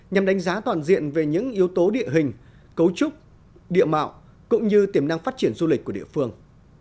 nhằm đánh giá toàn diện về những yếu tố địa hình cấu trúc địa mạo cũng như tiềm năng phát triển du lịch của địa phương